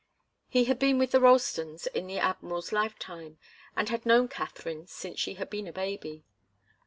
He had been with the Ralstons in the Admiral's lifetime and had known Katharine since she had been a baby.